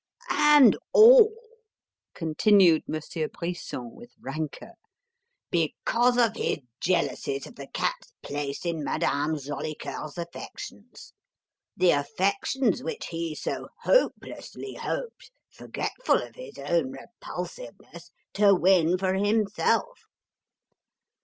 "And all," continued Monsieur Brisson, with rancour, "because of his jealousies of the cat's place in Madame Jolicoeur's affections the affections which he so hopelessly hoped, forgetful of his own repulsiveness, to win for himself!"